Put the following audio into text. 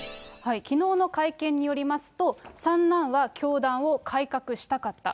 きのうの会見によりますと、三男は、教団を改革したかった。